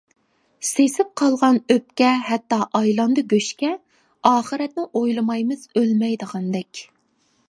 سېسىپ قالغان ئۆپكە ھەتتا ئايلاندى گۆشكە، ئاخىرەتنى ئويلىمايمىز ئۆلمەيدىغاندەك.